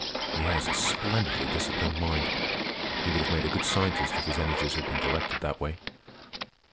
He has a splendidly disciplined mind. He would have made a good scientist if his energies had been directed that way."